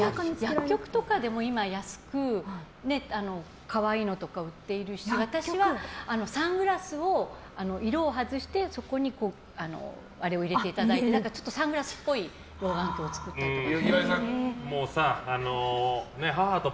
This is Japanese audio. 薬局とかでも今安く可愛いのとか売ってるし、私はサングラスを色を外してそこにレンズを入れていただいてサングラスっぽい老眼鏡を作ったりして。